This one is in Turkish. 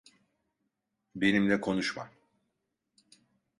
Benimle konuşma.